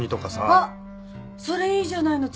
あっそれいいじゃないの。